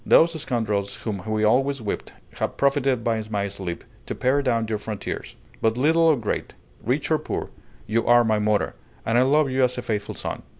Those scoundrels whom we always whipped have profited by my sleep to pare down your frontiers; but little or great, rich or poor, you are my mother, and I love you as a faithful son!